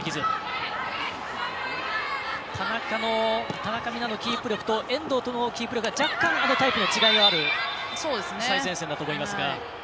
田中美南のキープ力と遠藤とのキープ力は若干、タイプの違いはある最前線だと思いますが。